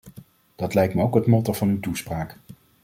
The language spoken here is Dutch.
Dat lijkt me ook het motto van uw toespraak.